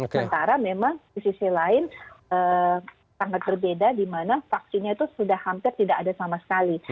sementara memang di sisi lain sangat berbeda di mana vaksinnya itu sudah hampir tidak ada sama sekali